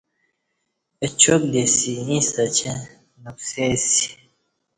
اچاک دی اسی ایݩستہ اچیں نوکسئی سی